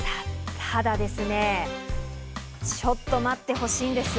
ただですね、ちょっと待ってほしいんです。